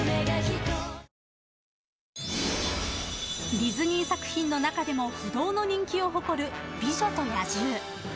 ディズニー作品の中でも不動の人気を誇る「美女と野獣」